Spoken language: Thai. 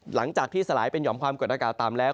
หลังจากที่สลายเป็นหอมความกดอากาศต่ำแล้ว